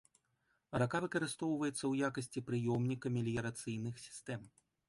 Рака выкарыстоўваецца ў якасці прыёмніка меліярацыйных сістэм.